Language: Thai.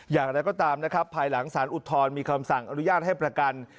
อย่างไรก็ตามนะครับภายหลังสารอุทธรณ์มีคำสั่งอนุญาตให้ประกัน